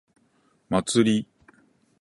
祭り